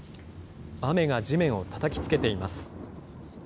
雨が地面をたたきつけています。